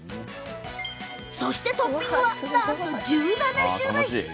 そして、トッピングはなんと１７種類。